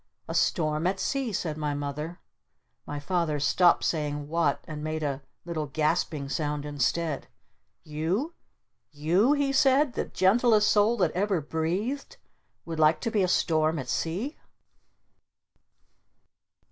"A Storm at Sea!" said my Mother. My Father stopped saying "What?" And made a little gasping sound instead. "You? You?" he said. "The gentlest soul that ever breathed? Would like to be a 'Storm at Sea'?"